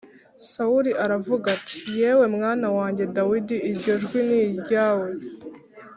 Sawuli aravuga ati “Yewe mwana wanjye Dawidi, iryo jwi ni iryawe?”